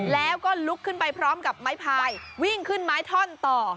แล้วก็ลุกขึ้นไปพร้อมกับไม้พายวิ่งขึ้นไม้ท่อนต่อ